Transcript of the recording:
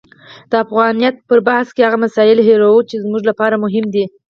د افغانیت پر بحث کې هغه مسایل هیروو چې زموږ لپاره مهم دي.